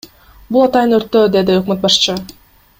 Бул атайын өрттөө, — деди өкмөт башчы.